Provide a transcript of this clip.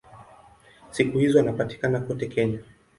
Siku hizi wanapatikana kote Kenya.